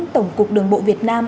tổng cục đường bộ việt nam